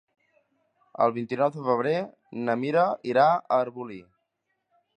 El vint-i-nou de febrer na Mira irà a Arbolí.